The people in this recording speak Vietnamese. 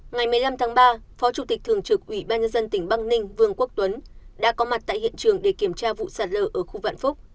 ngày một mươi năm tháng ba phó chủ tịch thường trực ủy ban nhân dân tỉnh băng ninh vương quốc tuấn đã có mặt tại hiện trường để kiểm tra vụ sạt lở ở khu vạn phúc